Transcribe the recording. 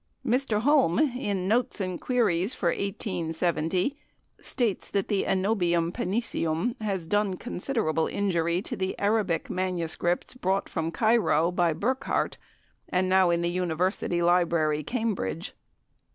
Mr. Holme, in "Notes and Queries" for 1870, states that the "Anobium paniceum" has done considerable injury to the Arabic manuscripts brought from Cairo, by Burckhardt, and now in the University Library, Cambridge.